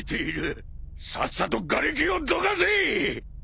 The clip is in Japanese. さっさとがれきをどかせ！